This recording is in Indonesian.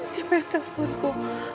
siapa yang teleponku